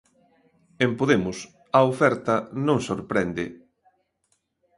En Podemos, a oferta non sorprende...